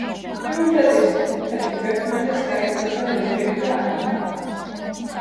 სიუჟეტის მიხედვით, ერთმანეთს გაიცნობენ როჯერი და ანიტა.